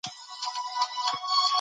هر کلیپ پښتو ته یو نوی ژوند بښي.